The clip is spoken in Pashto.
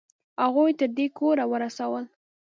هغوی دې تر کوره ورسول؟